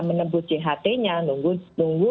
menembus jht nya nunggu